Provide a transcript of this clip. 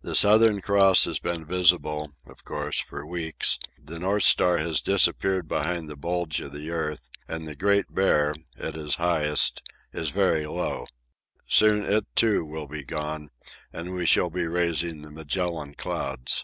The Southern Cross has been visible, of course, for weeks; the North Star has disappeared behind the bulge of the earth; and the Great Bear, at its highest, is very low. Soon it, too, will be gone and we shall be raising the Magellan Clouds.